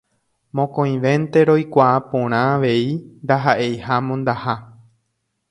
Mokõivénte roikuaa porã avei ndaha'eiha mondaha.